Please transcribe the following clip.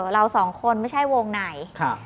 เราสองคนไม่ใช่วงไหน